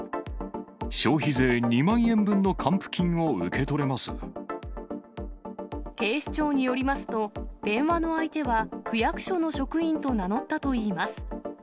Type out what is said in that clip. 消費税２万円分の還付金を受警視庁によりますと、電話の相手は、区役所の職員と名乗ったといいます。